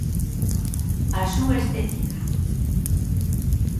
A súa estética.